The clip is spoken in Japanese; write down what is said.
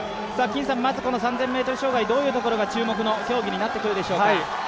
まずこの３０００ｍ障害、どういうところが注目の競技になってくるでしょうか？